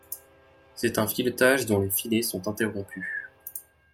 C'est un filetage dont les filets sont interrompus.